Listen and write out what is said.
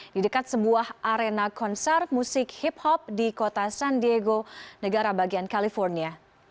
di dekat sebuah arena konser musik hip hop di kota san diego negara bagian california